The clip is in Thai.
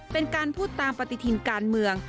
เป็นการพูดตามปฏิทินการเมือง